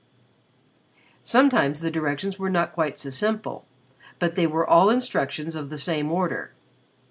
Sometimes the directions were not quite so simple, but they were all instructions of the same order.